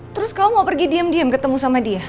terus kamu mau pergi diam diam ketemu sama dia